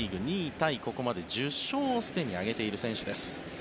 タイここまで１０勝をすでに挙げている選手です。